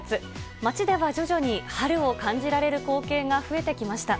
街では徐々に春を感じられる光景が増えてきました。